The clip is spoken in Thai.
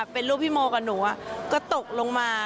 เป็นรูปพี่โมกับหนูก็ตกลงมา